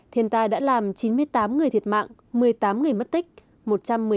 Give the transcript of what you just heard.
thiên tai đã làm chín mươi tám người thiệt mạng một mươi tám người mất tích